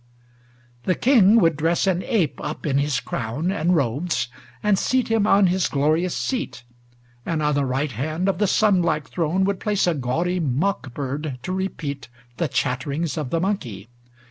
LXXIV The king would dress an ape up in his crown And robes, and seat him on his glorious seat, .^nd on the right hand of the sun like throne Would place a gaudy uiock bird to re peat The chatterings of the monkey.